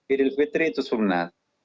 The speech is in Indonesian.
idil fitri itu sunat